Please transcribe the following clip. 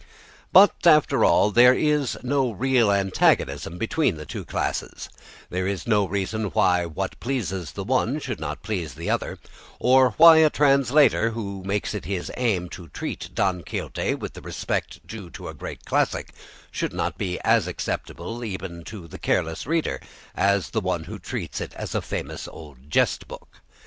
But after all there is no real antagonism between the two classes; there is no reason why what pleases the one should not please the other, or why a translator who makes it his aim to treat "Don Quixote" with the respect due to a great classic, should not be as acceptable even to the careless reader as the one who treats it as a famous old jest book.